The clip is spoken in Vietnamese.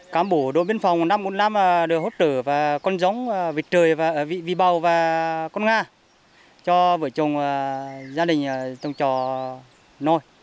cám bộ đội biên phòng năm trăm bốn mươi năm được hỗ trợ và con giống vịt trời vị bào và con nga cho vợ chồng gia đình trong trò nuôi